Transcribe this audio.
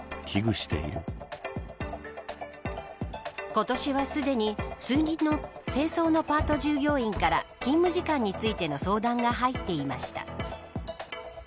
今年はすでに数人の清掃のパート従業員から勤務時間についての相談が入っていました。